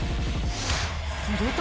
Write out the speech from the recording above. すると。